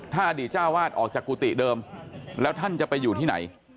ถ้าอดีตเจ้าวาดออกจากกุฏิเดิมแล้วท่านจะไปอยู่ที่ไหน